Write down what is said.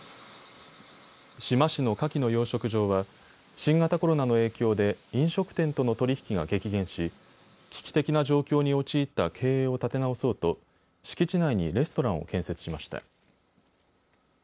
志摩市のかきの養殖場は新型コロナの影響で飲食店との取り引きが激減し危機的な状況に陥った経営を立て直そうと敷地内にレストランを建設しました。